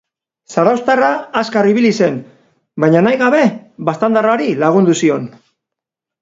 Zarauztarra azkar ibili zen, baina, nahi gabe, baztandarrari lagundu zion.